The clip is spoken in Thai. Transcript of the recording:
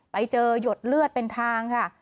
ไปเจอหยดเลือดเป็นทางค่ะ